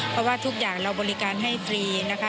เพราะว่าทุกอย่างเราบริการให้ฟรีนะคะ